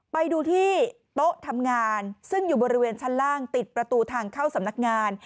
ไปดูที่โต๊ะทำงานซึ่งอยู่บริเวณชั้นล่างติดประตูทางเข้าสำนักงาน